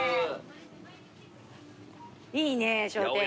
いいね商店街。